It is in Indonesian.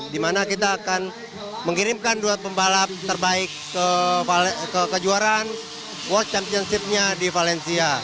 di mana kita akan mengirimkan dua pembalap terbaik ke kejuaraan world championship nya di valencia